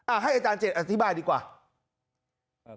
อ้าวให้อาจารย์เจนอธิบายดีกว่า